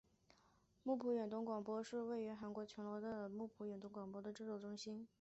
木浦远东广播是位于韩国全罗南道木浦市的远东广播公司的地方制作中心。